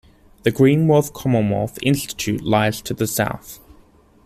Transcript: The green-roofed Commonwealth Institute lies to the south.